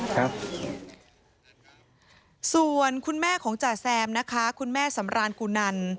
ครับส่วนคุณแม่ของจ่าแซมนะคะคุณแม่สำรานกูนัน